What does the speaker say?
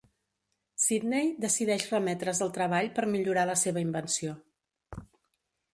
Sidney decideix remetre's al treball per millorar la seva invenció.